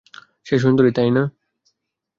সে সুন্দরী, তাই না?